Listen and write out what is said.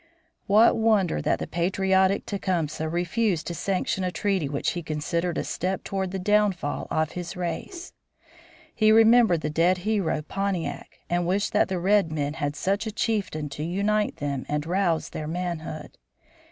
What wonder that the patriotic Tecumseh refused to sanction a treaty which he considered a step toward the downfall of his race! He remembered the dead hero Pontiac, and wished that the red men had such a chieftain to unite them and rouse their manhood.